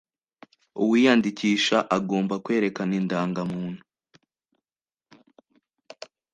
Uwiyandikisha agomba kwerekana indangamuntu